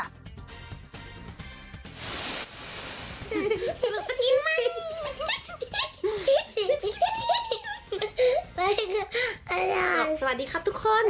สวัสดีครับทุกคน